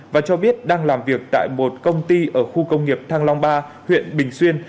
và cho biết đang làm việc tại một công ty ở khu công nghiệp thăng long ba huyện bình xuyên